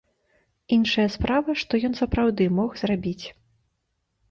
Іншая справа, што ён сапраўды мог зрабіць.